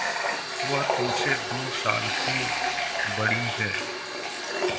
वह तुमसे दो साल से बड़ी है।